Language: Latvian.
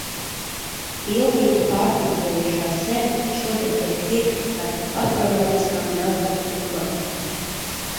Pilnīgi pārpurvojušās zemes šodien tiek pirktas par astronomiskām naudas summām.